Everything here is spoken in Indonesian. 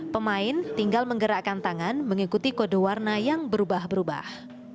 pemain tinggal menggerakkan tangan mengikuti kode warna yang berubah berubah